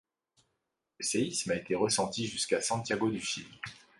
Le séisme a été ressenti jusqu'à Santiago du Chili.